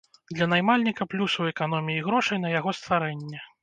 Для наймальніка плюс у эканоміі грошай на яго стварэнне.